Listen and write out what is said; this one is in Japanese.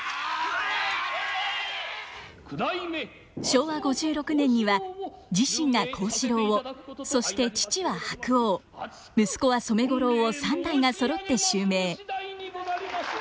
昭和５６年には自身が幸四郎をそして父は白鸚息子は染五郎を三代がそろって襲名。